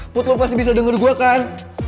put lo pasti bisa denger gue kan